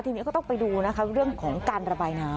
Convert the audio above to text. ทีนี้ก็ต้องไปดูนะคะเรื่องของการระบายน้ำ